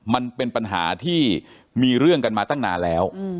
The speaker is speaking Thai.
มันเป็นปัญหาที่มีเรื่องกันมาตั้งนานแล้ว